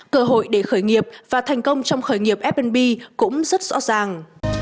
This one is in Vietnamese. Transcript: cơ hội để khởi nghiệp và thành công trong khởi nghiệp f b cũng rất rõ ràng